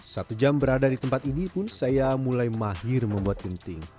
satu jam berada di tempat ini pun saya mulai mahir membuat genting